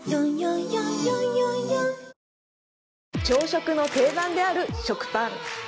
朝食の定番である食パン